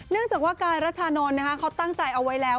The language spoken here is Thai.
จากว่ากายรัชานนท์เขาตั้งใจเอาไว้แล้ว